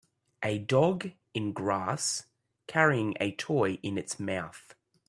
A dog in grass carrying a toy in its mouth.